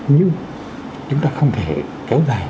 nhưng chúng ta không thể kéo dài